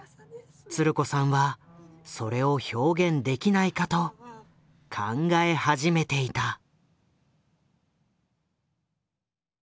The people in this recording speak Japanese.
つる子さんはそれを表現できないかと考え始めていた。